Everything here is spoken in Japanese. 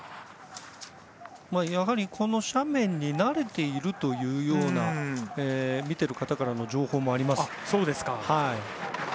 やはり、斜面に慣れているというような見ている方からの情報もあります。